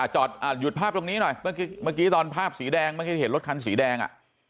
หยุดภาพตรงนี้หน่อยเมื่อกี้ตอนภาพสีแดงเมื่อกี้เห็นรถคันสีแดง